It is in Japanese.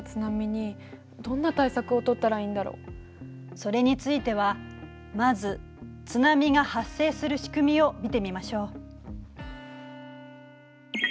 それについてはまず津波が発生するしくみを見てみましょう。